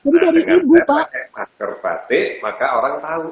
nah dengan saya pakai masker batik maka orang tahu